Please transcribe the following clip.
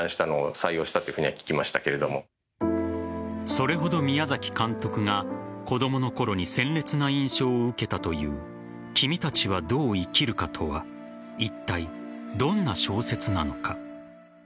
それほど宮崎監督が子供のころに鮮烈な印象を受けたという「君たちはどう生きるか」とはいったい、どんな小説なのか。